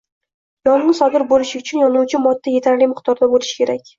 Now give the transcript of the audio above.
Yong’in sodir bo’lishi uchun, yonuvchi modda etarli miqdorda bo’lishi kerak